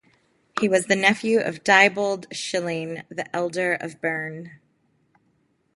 He was the nephew of Diebold Schilling the Elder of Berne.